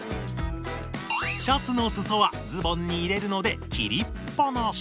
シャツのすそはズボンに入れるので切りっぱなし！